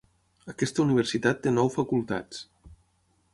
Aquesta universitat té nou facultats.